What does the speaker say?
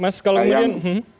mas kalau kemudian